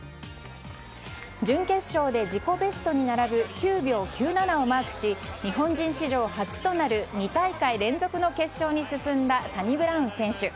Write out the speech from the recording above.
準決勝で自己ベストに並ぶ９秒９７をマークし日本人史上初となる２大会連続の決勝に進んだサニブラウン選手。